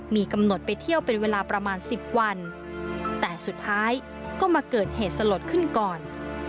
มีกำหนดไปเที่ยวเป็นเวลาประมาณ๑๐วันแต่สุดท้ายก็มาเกิดเหตุสลดขึ้นก่อน